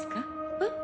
えっ？